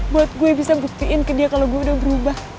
buat gue bisa buktiin ke dia kalau gue udah berubah